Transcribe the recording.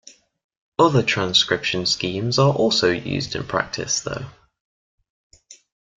Other transcription schemes are also used in practice, though.